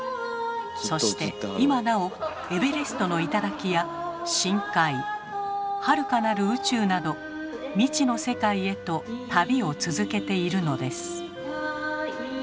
そして今なおエベレストの頂や深海はるかなる宇宙など未知の世界へと旅を続けているのです。